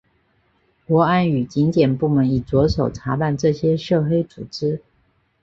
国安与检警部门已着手查办这些涉黑组织。